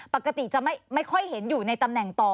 ปกติจะไม่ค่อยเห็นอยู่ในตำแหน่งต่อ